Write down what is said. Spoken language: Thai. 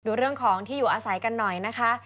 ดูเรื่องของที่อยู่อาศัยกันหน่อยนะคะ